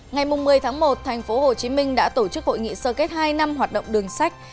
ngày một mươi tháng một tp hcm đã tổ chức hội nghị sơ kết hai năm hoạt động đường sách